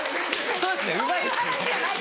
そういう話じゃないから。